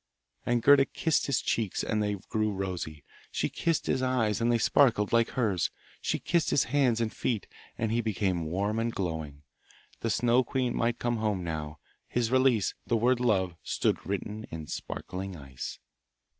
And Gerda kissed his cheeks and they grew rosy; she kissed his eyes and they sparkled like hers; she kissed his hands and feet and he became warm and glowing. The Snow queen might come home now; his release the word 'Love' stood written in sparkling ice.